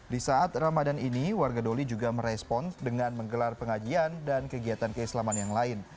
di saat ramadan ini warga doli juga merespon dengan menggelar pengajian dan kegiatan keislaman yang lain